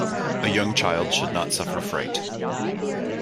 A young child should not suffer fright.